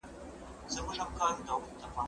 کېدای سي لوبه اوږده سي.